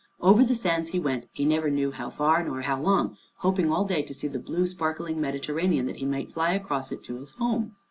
Over the sands he went, he never knew how far nor how long, hoping all day to see the blue sparkling Mediterranean, that he might fly across it to his home.